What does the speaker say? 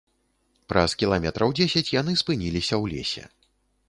Праз кіламетраў дзесяць яны спыніліся ў лесе.